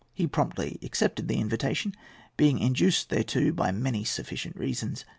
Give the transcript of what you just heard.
He promptly accepted the invitation, being induced thereto by many sufficient reasons.